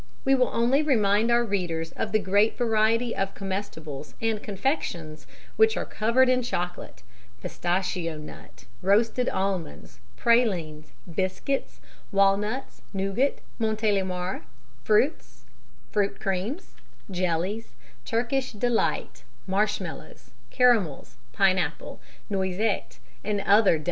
We will only remind our readers of the great variety of comestibles and confections which are covered in chocolate pistachio nut, roasted almonds, pralines, biscuits, walnuts, nougat, montelimar, fruits, fruit cremes, jellies, Turkish delight, marshmallows, caramels, pine apple, noisette, and other delicacies.